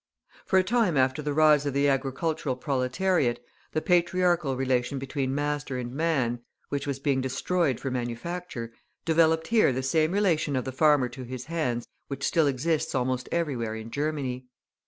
For a time after the rise of the agricultural proletariat, the patriarchal relation between master and man, which was being destroyed for manufacture, developed here the same relation of the farmer to his hands which still exists almost everywhere in Germany.